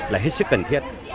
là hết sức cần thiết